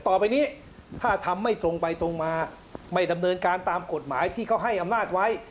ต่อไปนี้ถ้าทำไม่ตรงไปตรงมาไม่ดำเนินการตามกฎหมายที่เขาให้อำนาจไว้